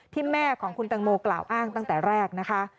แม่ของคุณตังโมกล่าวอ้างตั้งแต่แรกนะคะ